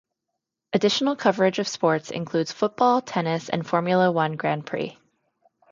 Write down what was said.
Additional coverage of sports includes football, tennis and Formula One Grand Prix.